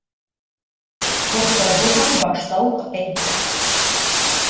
Ҡурҡыр булһаң, башта уҡ әйт!